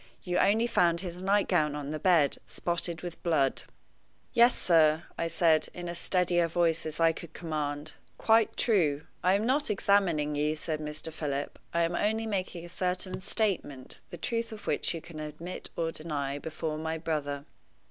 You only found his nightgown on the bed, spotted with blood." "Yes, sir," I said, in as steady a voice as I could command. "Quite true." "I am not examining you," said Mr. Philip. "I am only making a certain statement, the truth of which you can admit or deny before my brother."